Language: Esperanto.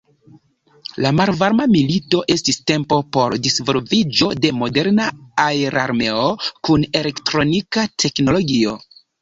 La Malvarma milito estis tempo por disvolviĝo de moderna aerarmeo kun elektronika teknologio.